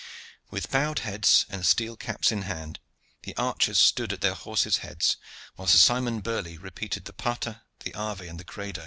With bowed heads and steel caps in hand, the archers stood at their horse's heads, while Sir Simon Burley repeated the Pater, the Ave, and the Credo.